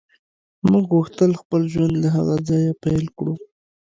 موږ غوښتل خپل ژوند له هغه ځایه پیل کړو